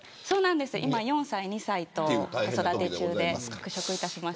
今４歳と２歳、子育て中で復職いたしました。